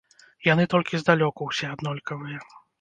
Яны толькі здалёку ўсе аднолькавыя.